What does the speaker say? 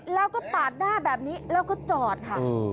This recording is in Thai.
แล้วก็ปาดหน้าแบบนี้แล้วก็จอดค่ะ